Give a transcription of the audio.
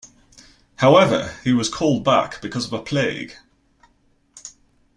However, he was called back because of a plague.